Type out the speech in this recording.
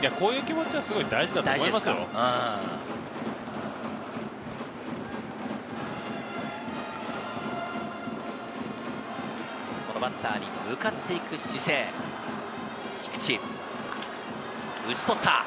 こういう気持ちがすごいこのバッターに向かっていく姿勢、菊地、打ち取った。